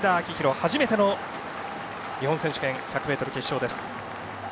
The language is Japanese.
初めての日本選手権１００ｍ決勝です。